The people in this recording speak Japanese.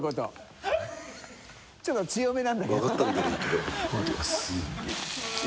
ちょっと強めなんだけどね